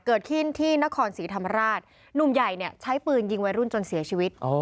เกิดขึ้นที่นครศรีธรรมราชหนุ่มใหญ่เนี่ยใช้ปืนยิงวัยรุ่นจนเสียชีวิต